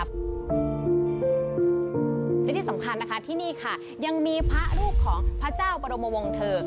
และที่สำคัญนะคะที่นี่ค่ะยังมีพระรูปของพระเจ้าบรมวงเทิง